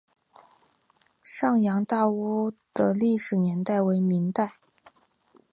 上洋大屋的历史年代为明代。